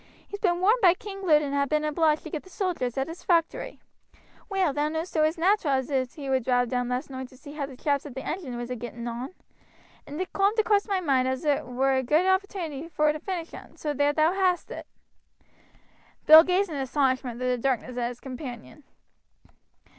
He's been warned by King Lud and ha' been obliged to get the sojers at his factory. Well, thou knowest it was nateral as he would drive down last noight to see how t' chaps at t' engine was a getting on, and it coomed across my moind as it wer a good opportunity vor to finish un; so ther thou hast it." Bill gazed in astonishment through the darkness at his companion.